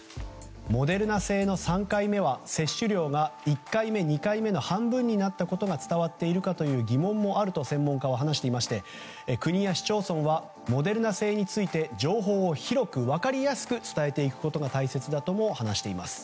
モデルナ製の３回目は接種量が１回目、２回目の半分になったことが伝わっているかと疑問もあると専門家は話していまして国や市町村はモデルナ製について情報を広く分かりやすく伝えていくことが大切だとも話しています。